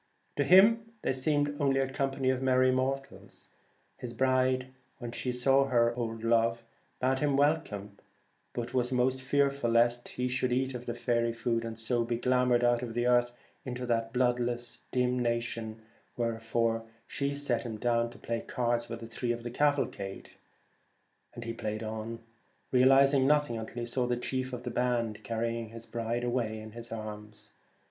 To him they seemed only a company of merry mortals. His bride, when she saw her old love, bade him welcome, but was most fearful lest he should eat the faery food, and so be glamoured out of the earth into that bloodless dim nation, wherefore she set him down to play cards with three of the cavalcade ; and he played on, realizing nothing until he saw the chief of the band carrying his bride away in his arms.